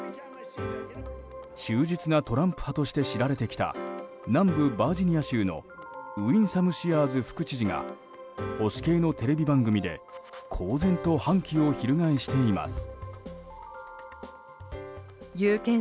忠実なトランプ派として知られてきた南部バージニア州のウィンサム・シアーズ副知事が保守系のテレビ番組で公然と反旗を翻しています。